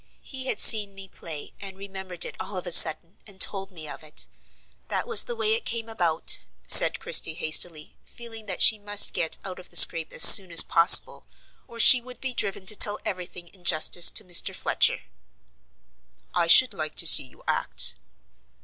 He had seen me play, and remembered it all of a sudden, and told me of it: that was the way it came about," said Christie hastily, feeling that she must get out of the scrape as soon as possible, or she would be driven to tell every thing in justice to Mr. Fletcher. "I should like to see you act."